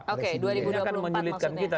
oke dua ribu dua puluh empat maksudnya